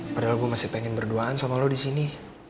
padahal gue masih pengen berduaan sama lo disini